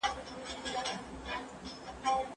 هر عمل چي د اړتیا له مخې وي ښه دئ.